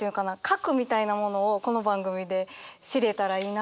核みたいなものをこの番組で知れたらいいなと思います。